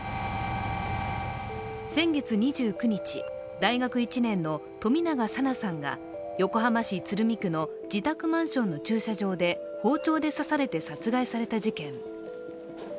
先月２９日、大学１年の冨永紗菜さんが横浜市鶴見区の自宅マンションの駐車場で包丁で刺されて殺害された事件。